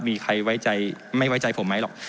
มีใครไว้ใจไม่ไว้ใจผมไหมหรอก